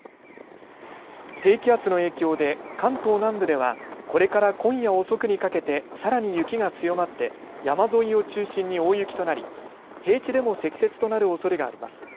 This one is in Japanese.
低気圧の影響で関東南部ではこれから今夜遅くにかけてさらに雪が強まって山沿いを中心に大雪となり平地でも積雪となるおそれがあります。